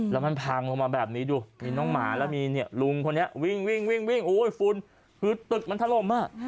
แล้วมันพังลงมาแบบนี้ดูมีน้องหมาแล้วมีเนี่ยลุงคนนี้วิ่งวิ่งฝุ่นคือตึกมันถล่มอ่ะ